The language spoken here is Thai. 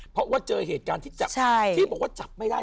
เพราะเจอเหตุการณ์ที่บอกว่าจับไม่ได้